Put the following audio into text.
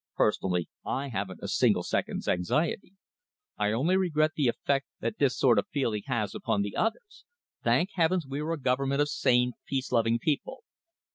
Personally, I haven't a single second's anxiety. I only regret the effect that this sort of feeling has upon the others. Thank heavens we are a Government of sane, peace believing people!"